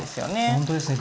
ほんとですね。